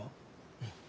うん。